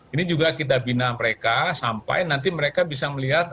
ini juga kita bina mereka sampai nanti mereka bisa melihat